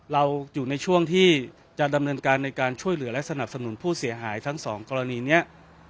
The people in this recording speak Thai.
เราอยู่ในช่วงที่จะดำเนินการในการช่วยเหลือและสนับสนุนผู้เสียหายทั้งสองกรณีนี้